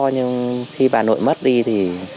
nhưng khi bà nội mất đi thì